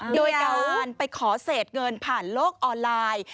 โดยการไปขอเศษเงินผ่านโลกออนไลน์